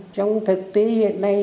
trong thực tế hiện nay